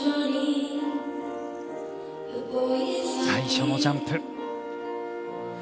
最初のジャンプ。